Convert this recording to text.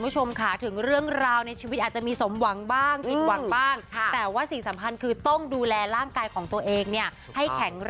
แต่วันนี้ชีวิตหนิงพังมากเลยค่ะ